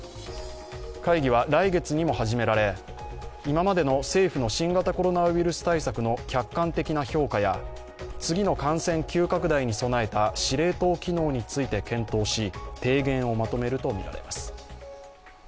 会議は来月にも始められ今までの政府の新型コロナウイルス対策の客観的な評価や次の感染急拡大に備えた司令塔機能について検討し提言をまとめるとみられます。